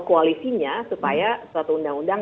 koalisinya supaya suatu undang undang